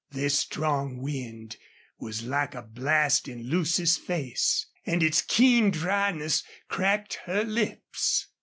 This strong wind was like a blast in Lucy's face, and its keen dryness cracked her lips.